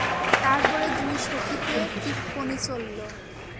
তার পরে দুই সখীতে টিপ্পনী চলল।